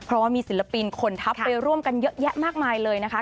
เพราะว่ามีศิลปินคนทัพไปร่วมกันเยอะแยะมากมายเลยนะคะ